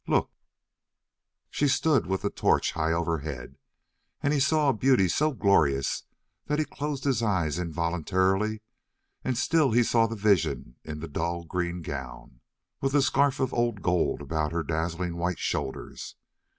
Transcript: "Look!" She stood with the torch high overhead, and he saw a beauty so glorious that he closed his eyes involuntarily and still he saw the vision in the dull green gown, with the scarf of old gold about her dazzling white shoulders.